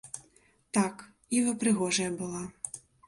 Так, іва прыгожая была.